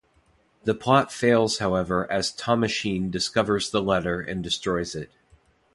The plot fails however as Thomasheen discovers the letter and destroys it.